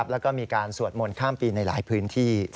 แล้วก็มีการสวดมนต์ข้ามปีในหลายพื้นที่